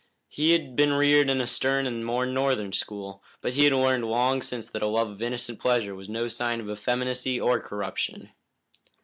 He had been reared in a stern and more northern school, but he had learned long since that a love of innocent pleasure was no sign of effeminacy or corruption.